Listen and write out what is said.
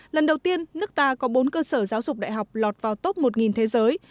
lần đầu tiên nước ta có bốn cơ sở giáo dục đại học lọt vào top một thế giới